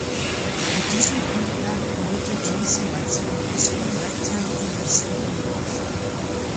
Mit diesen Grundlagen gehörte Johnson bald zu den besten Ragtime-Pianisten New Yorks.